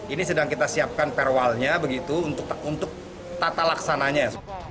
ini sedang kita siapkan perwalnya begitu untuk tata laksananya